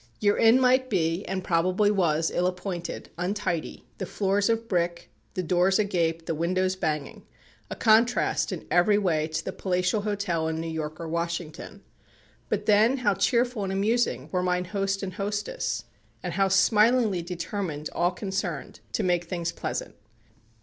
Your inn might be, and probably was, ill appointed, untidy, the floors of brick, the doors agape, the windows banging a contrast in every way to the palatial hotel in New York or Washington. But then how cheerful and amusing were mine host and hostess, and how smilingly determined all concerned to make things pleasant.